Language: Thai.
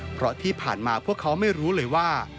เพราะที่ผ่านมาพวกเขาไม่รู้เลยว่า